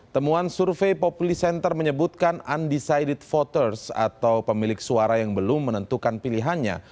temuan survei populi center menyebutkan undecided voters atau pemilik suara yang belum menentukan pilihannya